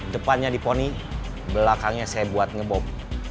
depannya diponi belakangnya saya buat ngebom